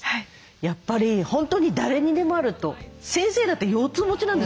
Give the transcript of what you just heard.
やっぱり本当に誰にでもあると。先生だって腰痛持ちなんですもんね。